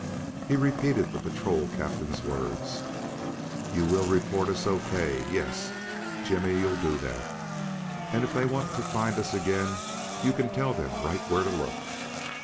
He repeated the Patrol Captain's words: "You will 'report us O.K.' yes, Jimmy, you'll do that, and if they want to find us again you can tell them right where to look."